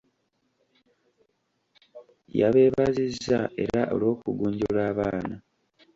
Yabeebazizza era olw'okugunjula abaana.